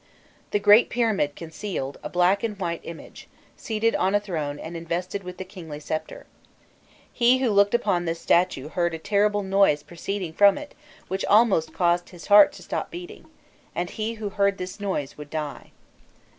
The great pyramid concealed a black and white image, seated on a throne and invested with the kingly sceptre. He who looked upon the statue "heard a terrible noise proceeding from it which almost caused his heart to stop beating, and he who had heard this noise would die."